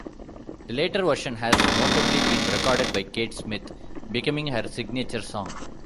The later version has notably been recorded by Kate Smith, becoming her signature song.